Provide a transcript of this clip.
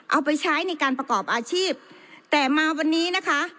เอาไปใช้ในการประกอบอาชีพแต่มาวันนี้นะคะ